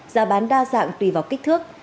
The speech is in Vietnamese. giá bán đa dạng tùy vào kích thước